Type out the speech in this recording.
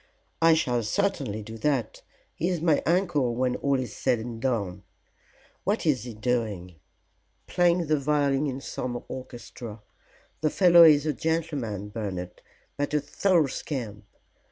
"I shall certainly do that. He is my uncle when all is said and done. What is he doing?" "Playing the violin in some orchestra. The fellow is a gentleman, Bernard, but a thorough scamp.